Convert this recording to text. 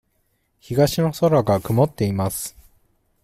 東の空が曇っています。